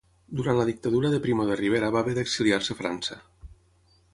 Durant la dictadura de Primo de Rivera va haver d'exiliar-se a França.